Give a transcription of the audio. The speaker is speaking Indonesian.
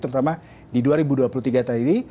terutama di dua ribu dua puluh tiga tahun ini